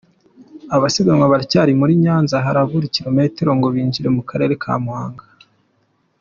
Abasiganwa baracyari muri Nyanza, harabura kilometero ngo binjire mu Karere ka Muhanga.